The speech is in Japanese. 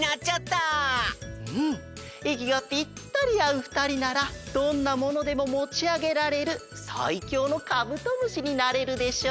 うんいきがぴったりあうふたりならどんなものでももちあげられるさいきょうのカブトムシになれるでしょう。